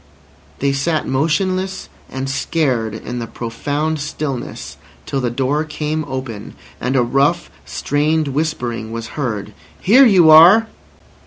They sat motionless and scared in the profound stillness, till the door came open, and a rough, strained whispering was heard: "Here you are!"